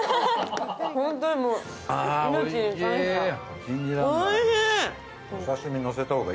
あれ、おいしい！